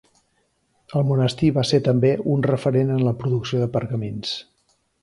El monestir va ser també un referent en la producció de pergamins.